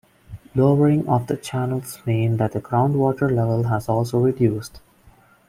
Lowering of the channels means that the ground water level has also reduced.